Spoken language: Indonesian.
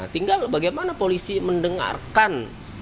tinggal bagaimana polisi mendengarkan